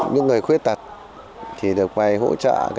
những người khuyết tật thì được quay hỗ trợ